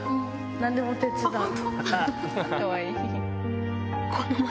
何でも手伝う。